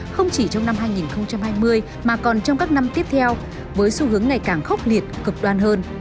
không chỉ trong năm hai nghìn hai mươi mà còn trong các năm tiếp theo với xu hướng ngày càng khốc liệt cực đoan hơn